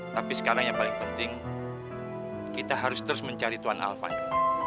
tapi sekarang yang paling penting kita harus terus mencari tuan alfano